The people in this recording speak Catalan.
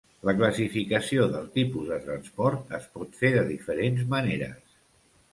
La classificació del tipus de transport es pot fer de diferents maneres.